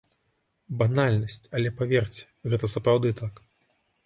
Банальнасць, але паверце, гэта сапраўды так.